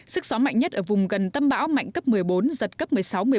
sức gió mạnh nhất ở vùng gần tâm bão mạnh cấp một mươi bốn giật cấp một mươi sáu một mươi bốn